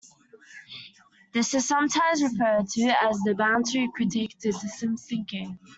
This is sometimes referred to as the boundary critique to systems thinking.